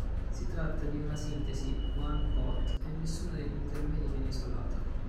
Si tratta di una sintesi one-pot e nessuno degli intermedi viene isolato.